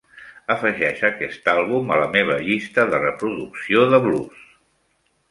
afegeix aquest àlbum a la meva llista de reproducció Blues